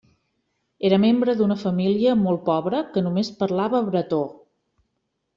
Era membre d'una família molt pobra que només parlava bretó.